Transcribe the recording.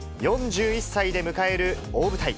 ４１歳で迎える大舞台。